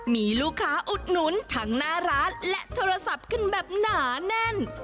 มีลูกค้าอุดหนุนทั้งหน้าร้านและโทรศัพท์ขึ้นแบบหนาแน่น